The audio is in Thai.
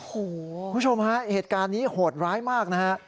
คุณผู้ชมฮะเหตุการณ์นี้โหดร้ายมากนะฮะ